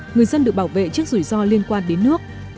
người dân được bảo vệ trước rủi ro liên quan đến nước